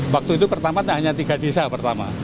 waktu itu pertama hanya tiga desa pertama